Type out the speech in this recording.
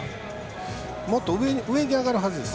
もっと上に上がるはずです。